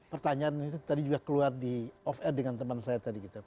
pertanyaan itu tadi juga keluar di off air dengan teman saya tadi gitu